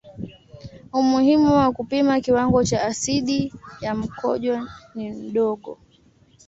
Umuhimu wa kupima kiwango cha asidi ya mkojo ni mdogo.